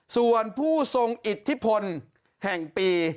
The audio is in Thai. ส่วนผู้ทรงอิทธิพลแห่งปี